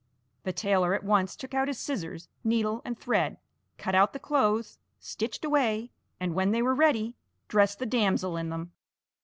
The tailor at once took out his scissors, needle and thread, cut out the clothes, stitched away, and, when they were ready, dressed the damsel in them.